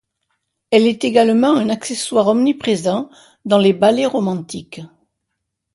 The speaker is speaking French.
Elle est également un accessoire omniprésent dans les ballets romantiques.